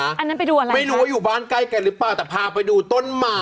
อันนั้นไปดูอะไรไม่รู้ว่าอยู่บ้านใกล้กันหรือเปล่าแต่พาไปดูต้นหมาก